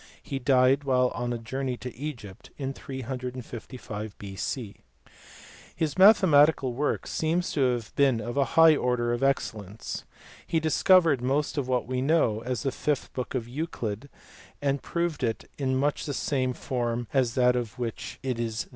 He died while on a journey to Egypt in 355 B.C. His mathematical work seems to have been of a high order of excellence. He discovered most of what we now know as the fifth book of Euclid, and proved it in much the same form as that in which it is there given.